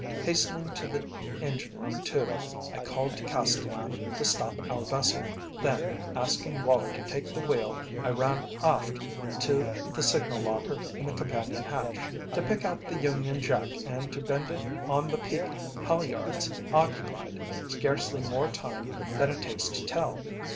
Hastening to the engine room tube, I called to Castellan to stop our vessel; then, asking Woller to take the wheel, I ran aft to the signal locker in the companion hatch. To pick out the Union Jack and to bend it on the peak halyards occupied scarcely more time than it takes to tell.